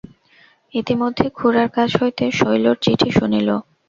ইতিমধ্যে খুড়ার কাছ হইতে শৈলর চিঠি শুনিল।